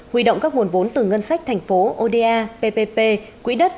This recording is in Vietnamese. huy động các nguồn vốn từ ngân sách thành phố oda ppp quỹ đất